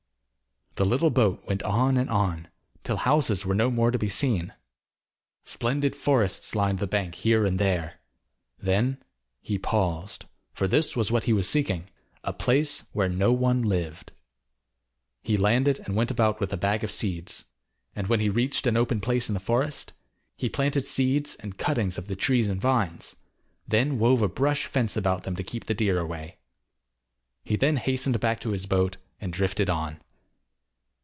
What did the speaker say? The little boat went on and on, till houses were no more to be seen. Splendid forests lined the banks here and there. Then he paused, for this was what he was seeking a place where no one lived. He landed and went about with a bag of seeds, and when he reached an open place in a forest, he planted seeds and cuttings of the trees and vines; then wove a brush fence about them to keep the deer away. He then hastened back to his boat and drifted on.